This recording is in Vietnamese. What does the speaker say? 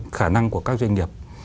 khả năng của các doanh nghiệp